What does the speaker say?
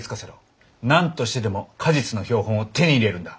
何としてでも果実の標本を手に入れるんだ。